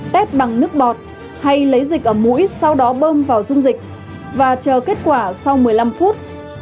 tét bằng nước bọt hay lấy dịch ở mũi sau đó bơm vào dung dịch và chờ kết quả sau một mươi năm phút